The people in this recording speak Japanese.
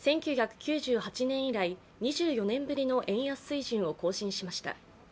１９９８年以来、２４年ぶりの円安水準を更新しました。